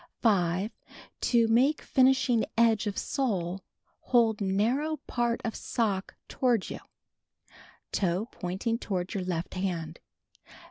5. To make finishing edge of sole — hold narrow part of sock toward you, toe pointing toward your left hand.